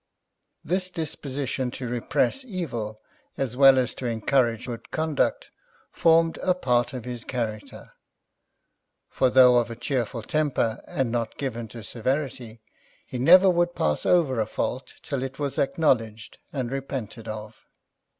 This disposition to repress evil, as well as to encourage good conduct, formed a part of his character; for[Pg 35] though of a cheerful temper, and not given to severity, he never would pass over a fault till it was acknowledged and repented of.